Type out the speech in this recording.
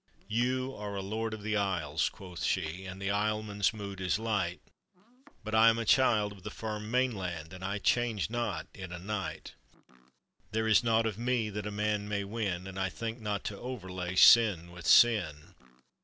"You are a lord of the Isles," quoth she, "And the Islemen's mood is light, But I am a child of the firm mainland, And I change not in a night. There is nought of me that a man may win And 1 think not to overlay sin with sin.